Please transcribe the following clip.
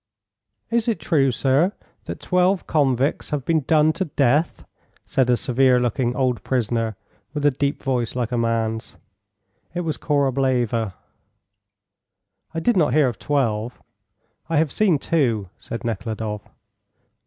"Is it true, sir, that 12 convicts have been done to death?" said a severe looking old prisoner with a deep voice like a man's. It was Korableva. "I did not hear of 12; I have seen two," said Nekhludoff.